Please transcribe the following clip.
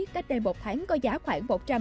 cách đầy một tháng có giá khoảng